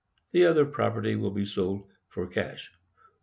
The other property will be sold for cash.